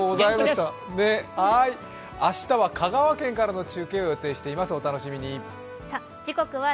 明日は香川県からの中継を予定しています、お楽しみに。